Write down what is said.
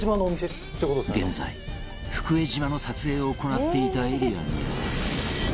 現在福江島の撮影を行っていたエリアには